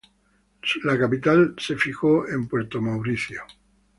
La capital se fijó en Puerto Mauricio.